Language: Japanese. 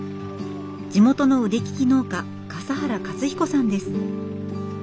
地元の腕利き農家笠原勝彦さんです。